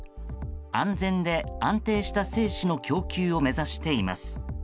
安全で安定した精子の供給を目指しています。